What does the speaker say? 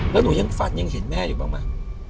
แล้วหนูยังฝันยังเห็นแม่อยู่บ้างไหม